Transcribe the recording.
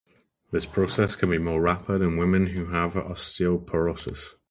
This process can be more rapid in women who have osteoporosis.